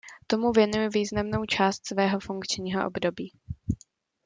Tomu věnuji významnou část svého funkčního období.